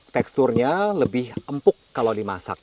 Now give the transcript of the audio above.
teksturnya lebih empuk kalau dimasak